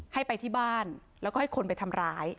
ให้ไปที่บ้านแล้วก็ให้คนไปทำร้าย